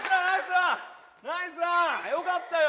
よかったよ！